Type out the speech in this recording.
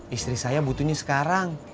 istri saya butuhnya sekarang